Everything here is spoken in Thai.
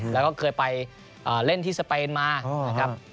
แล้วก็เคยไปเล่นที่สเปนมานะครับ